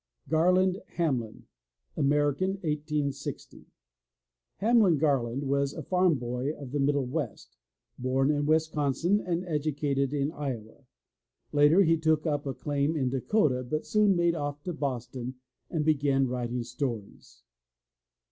GARLAND, HAMLIN (American, 1860 ) Hamlin Garland was a farm boy of the Middle West, born in Wisconsin and educated in Iowa. Later he took up a claim in Dakota, but he soon made off to Boston and began writing stories.